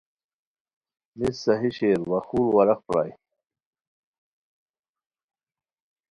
مس صحیح شیر و ا خور ورق پرائے